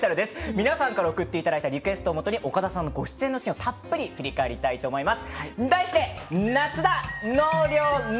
皆さんから送っていただいたリクエストをもとに岡田さんのご出演のシーンたっぷり振り返りたいと思います。